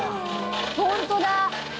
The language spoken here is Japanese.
ホントだ。